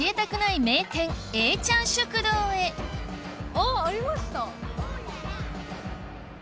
あっありました。